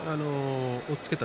押っつけた